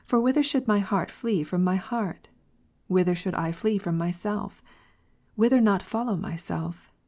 For whither should my heart flee from my heart? Whither should I flee from myself? Whither not follow myself?